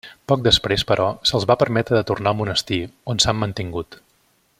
Poc després, però, se'ls va permetre de tornar al monestir, on s'han mantingut.